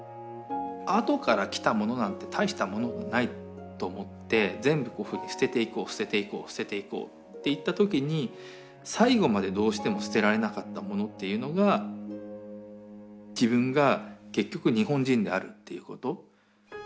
後から来たものなんて大したものもないと思って全部こういうふうに捨てていこう捨てていこう捨てていこうっていった時に最後までどうしても捨てられなかったものっていうのが自分が結局日本人であるっていうこと。